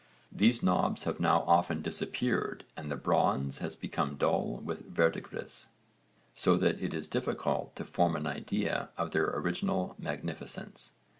These knobs have now often disappeared and the bronze has become dull with verdigris, so that it is difficult to form an idea of their original magnificence.